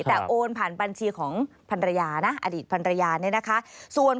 แต่โอนผ่านบัญชีของภรรยานะอดีตภรรยาเนี่ยนะคะส่วน